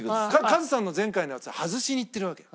カズさんの前回のやつは外しにいってるわけ。